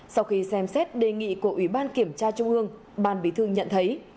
sau khi xem xét đề nghị của ủy ban kiểm tra trung ương ban bí thư nhận thấy